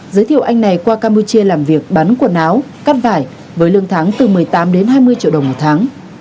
giới thiệu anh này qua campuchia làm việc bán quần áo cắt vải với lương tháng từ một mươi tám đến hai mươi triệu đồng một tháng